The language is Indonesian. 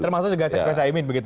termasuk juga caimin begitu